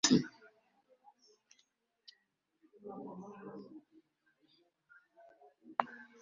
afite ubutumwa bwiza bw'iteka ryose ngo abubwira abari mu isi